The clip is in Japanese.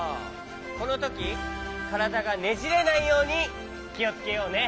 このときからだがねじれないようにきをつけようね。